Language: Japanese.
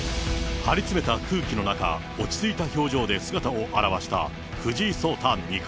張り詰めた空気の中、落ち着いた表情で姿を現した藤井聡太二冠。